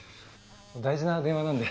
大事な電話なんで。